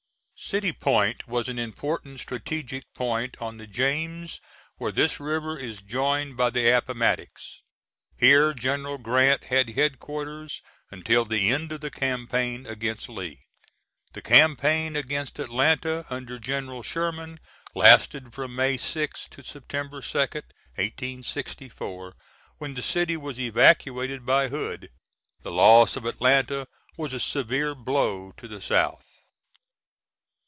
[City Point was an important strategic point on the James where this river is joined by the Appomattox. Here General Grant had headquarters until the end of the campaign against Lee. The campaign against Atlanta under General Sherman lasted from May 6th to September 2d, 1864, when the city was evacuated by Hood. The loss of Atlanta was a severe blow to the South.